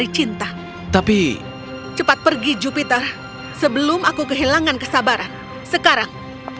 cepat pergi jupiter sebelum aku kehilangan kesabaran sekarang